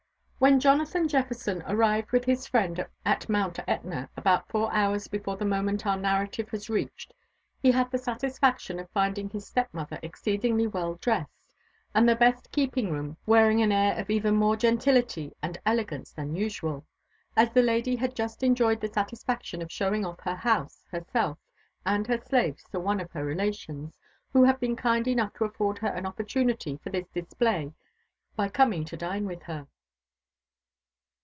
When Jonathan Jefferson arrived with his friend at Mount Etna about four hours before the moment our narrative has reached, he had the salisfaction of finding his stepmother exceedingly well dressed, and the best keeping room wearing an air of even more gentility and elegance than usual, as the lady had just enjoyed the satisfaction of showing off her house, herself, and her slaves to one .of her relations, who had been kind enough to afford her an opportunity for this display by coming to dine with her.